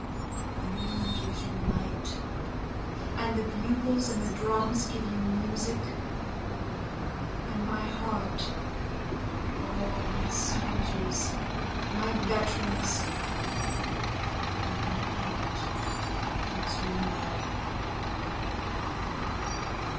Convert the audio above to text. The moon gives you light, And the bugles and the drums give you music, And my heart, O my soldiers, my veterans, My heart gives you love.